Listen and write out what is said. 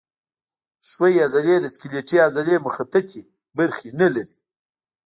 ښویې عضلې د سکلیټي عضلې مخططې برخې نه لري.